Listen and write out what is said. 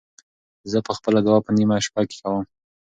زه به خپله دعا په نیمه شپه کې کوم.